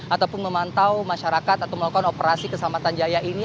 ataupun memantau masyarakat atau melakukan operasi keselamatan jaya ini